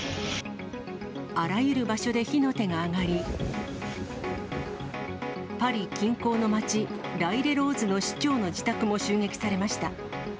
あらゆる場所で火の手が上がり、パリ近郊の街、ライレローズの市長の自宅も襲撃されました。